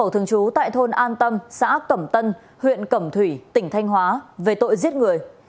thương chú tại thôn an tâm xã cẩm tân huyện cẩm thủy tỉnh thanh hóa về tội giết người